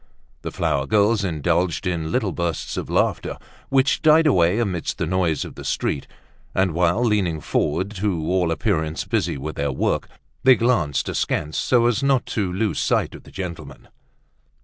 The flower girls indulged in little bursts of laughter which died away amid the noise of the street, and while leaning forward, to all appearance busy with their work, they glanced askance so as not to lose sight of the gentleman.